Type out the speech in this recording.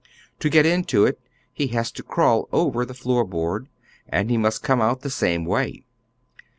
To get into it he has to crawl over the foot board, and he must come out the same way.